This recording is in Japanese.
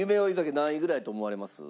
何位ぐらいやと思われます？